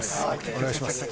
お願いします。